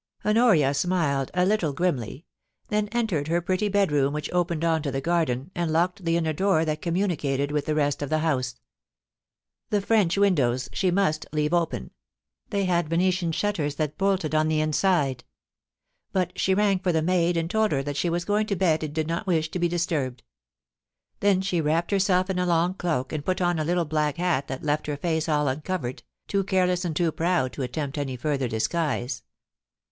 Honoria smiled a little grimly ; then entered her pretty THE TRYST BY THE BAMBOOS. 265 bedroom which opened on to the garden, and locked the inner door that communicated with the rest of the house The French windows she must leave open ; they had Venetian shutters that bolted on the inside. But she rang for the maid and told her that she was going to bed and did not wish to be disturbed ; then she wrapped herself in a long cloak, and put on a little black hat that left her face all uncovered, too careless and too proud to attempt any further disguise.